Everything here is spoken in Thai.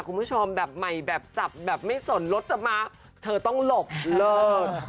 คุณผู้ชมแบบใหม่แบบสับแบบไม่สนรถจะมาเธอต้องหลบเลิก